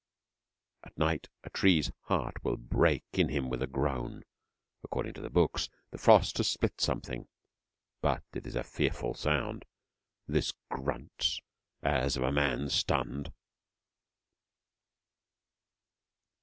At night a tree's heart will break in him with a groan. According to the books, the frost has split something, but it is a fearful sound, this grunt as of a man stunned.